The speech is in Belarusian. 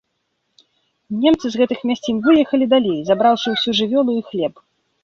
Немцы з гэтых мясцін выехалі далей, забраўшы ўсю жывёлу і хлеб.